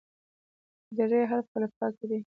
د "ر" حرف په الفبا کې دی.